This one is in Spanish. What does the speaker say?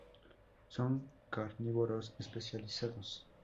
Son carnívoros especializados.